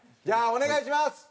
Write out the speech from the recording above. じゃあお願いします。